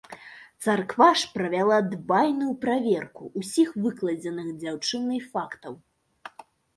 Царква ж правяла дбайную праверку ўсіх выкладзеных дзяўчынай фактаў.